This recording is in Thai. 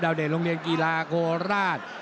เดชโรงเรียนกีฬาโคราช